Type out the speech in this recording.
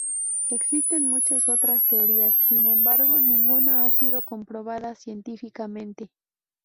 Existen muchas otras teorías, sin embargo ninguna ha sido comprobada científicamente.